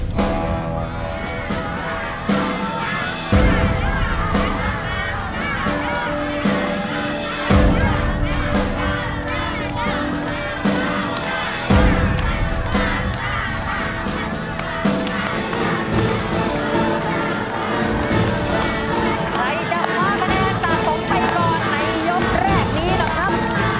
ใครจะม้าคะแนนตามผมไปก่อนในยบแรกนี้หรือครับ